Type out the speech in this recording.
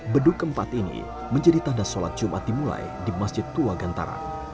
beduk keempat ini menjadi tanda sholat jumat dimulai di masjid tua gantara